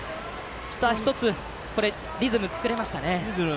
１つリズムを作れましたね。